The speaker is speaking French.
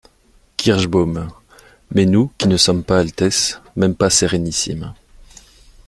Kirschbaum. — Mais nous qui ne sommes pas Altesses, mêmes pas sérénissimes !…